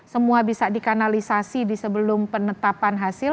semua bisa dikanalisasi di sebelum penetapan hasil